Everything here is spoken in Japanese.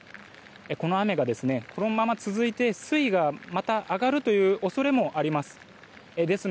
この雨が、このまま続いて水位がまた上がる恐れもあります。